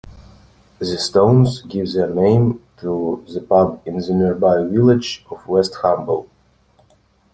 The stones give their name to the pub in the nearby village of Westhumble.